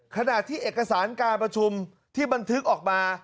ขณะที่เอกสารการประชุมที่บันทึกออกมา